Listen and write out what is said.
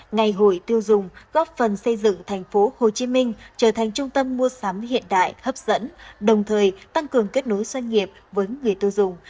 ngày hội tiêu dùng góp phần xây dựng tp hcm trở thành trung tâm mua sắm hiện đại hấp dẫn đồng thời tăng cường kết nối doanh nghiệp với người tiêu dùng